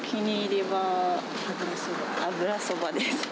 油そばです。